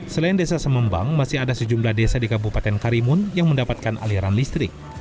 selain desa semembang masih ada sejumlah desa di kabupaten karimun yang mendapatkan aliran listrik